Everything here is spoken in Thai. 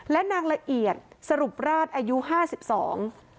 และนางละเอียดสรุปราชอายุห้าสิบสอง